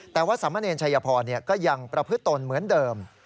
แต่ว่าสามเณรชัยพรก็ยังประพฤติตนเหมือนเดิม